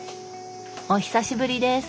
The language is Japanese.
お久しぶりです！